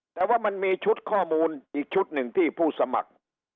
แต่ว่ามันมีชุดข้อมูลอีกชุดหนึ่งที่ผู้สมัคร